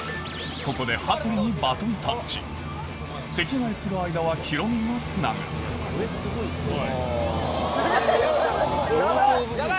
ここで羽鳥にバトンタッチ席替えする間はヒロミがつなぐすげぇ！